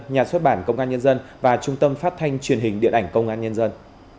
nhà xuất bản công an nhân dân và trung tâm phát thanh truyền hình điện ảnh công an nhân dân